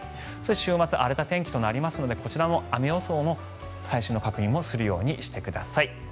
週末、荒れた天気になりますのでこちらも雨予想も最新の情報を確認するようにしてください。